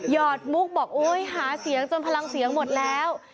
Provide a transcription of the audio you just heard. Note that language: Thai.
อดมุกบอกโอ๊ยหาเสียงจนพลังเสียงหมดแล้ว